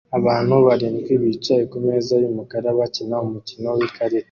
Abantu barindwi bicaye kumeza yumukara bakina umukino wikarita